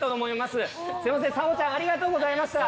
すいませんさほちゃんありがとうございました！